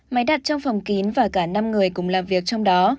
máy đặt trong phòng kín và cả năm người cùng làm việc trong đó